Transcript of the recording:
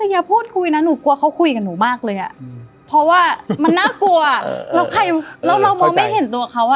อย่าพูดคุยนะหนูกลัวเขาคุยกับหนูมากเลยอ่ะเพราะว่ามันน่ากลัวแล้วใครแล้วเรามองไม่เห็นตัวเขาอ่ะ